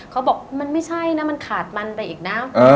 เขาบอกมันไม่ใช่นะมันขาดมันไปอีกนะ